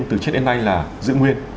từ trước đến nay là giữ nguyên